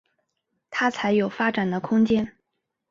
他才有发展的空间